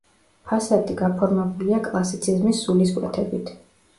ფასადი გაფორმებულია კლასიციზმის სულისკვეთებით.